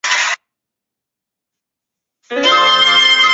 目前最新中译版是高等教育出版社第八版。